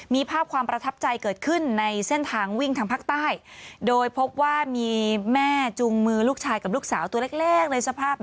มีภาพความประทับใจเกิดขึ้นในเส้นทางวิ่งทางภาคใต้โดยพบว่ามีแม่จูงมือลูกชายกับลูกสาวตัวเล็กในสภาพ